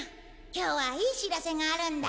今日はいい知らせがあるんだ。